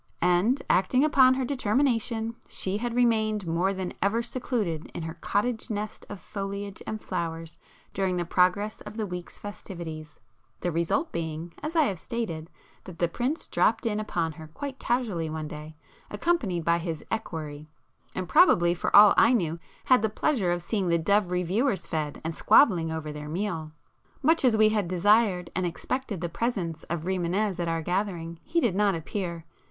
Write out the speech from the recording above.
And, acting upon her determination, she had remained more than ever secluded in her cottage nest of foliage and flowers during the progress of the week's festivities,—the result being, as I have stated, that the Prince 'dropped in' upon her quite casually one day, accompanied by his equerry, and probably for all I knew, had the pleasure of seeing the dove 'reviewers' fed, and squabbling over their meal. Much as we had desired and expected the presence of Rimânez at our gathering, he did not appear.